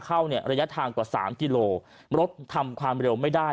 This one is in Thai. เข้าเนี่ยระยะทางกว่าสามกิโลรถทำความเร็วไม่ได้